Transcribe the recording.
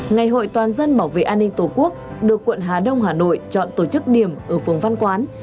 ngày hội toàn dân bảo vệ an ninh tổ quốc được quận hà đông hà nội chọn tổ chức điểm ở phường văn quán